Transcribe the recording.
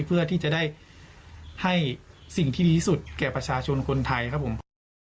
เพื่อที่จะได้ให้สิ่งที่ดีที่สุดแก่ประชาชนคนไทยครับผม